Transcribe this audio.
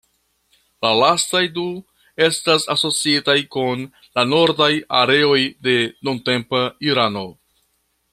La lastaj du estas asociitaj kun la nordaj areoj de nuntempa Irano.